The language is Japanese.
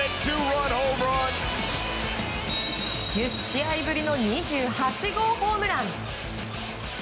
１０試合ぶりの２８号ホームラン。